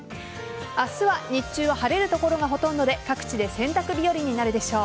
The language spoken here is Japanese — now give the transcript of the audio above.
明日は日中は晴れる所がほとんどで各地で洗濯日和になるでしょう。